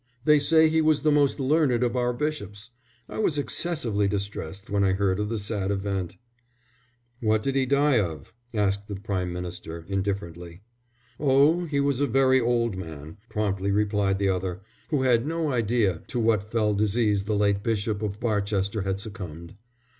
"They say he was the most learned of our bishops. I was excessively distressed when I heard of the sad event." "What did he die of?" asked the Prime Minister, indifferently. "Oh, he was a very old man," promptly replied the other, who had no idea to what fell disease the late Bishop of Barchester had succumbed.